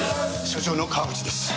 署長の川渕です。